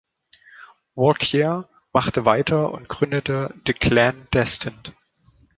Walkyier machte weiter und gründete The Clan Destined.